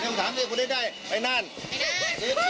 ร้อยอดีตศาส์ใช่ไหมคะใช่ค่ะนั่นต้องเป็นก้านศาสน์ค่ะก้านศาสน์